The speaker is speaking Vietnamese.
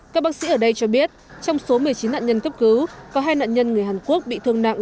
các bác sĩ ở đây cho biết trong số một mươi chín nạn nhân cấp cứu có hai nạn nhân người hàn quốc bị thương nặng